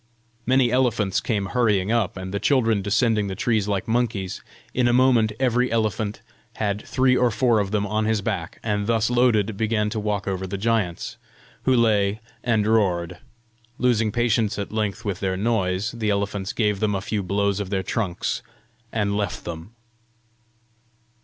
Many elephants came hurrying up, and the children descending the trees like monkeys, in a moment every elephant had three or four of them on his back, and thus loaded, began to walk over the giants, who lay and roared. Losing patience at length with their noise, the elephants gave them a few blows of their trunks, and left them.